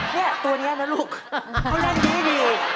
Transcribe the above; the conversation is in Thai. เนี่ยตัวนี้นะลูกเขาเล่นดี